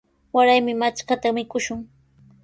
Waraymi matrkata mikushun.